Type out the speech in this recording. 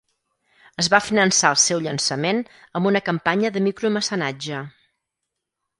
Es va finançar el seu llançament amb una campanya de micromecenatge.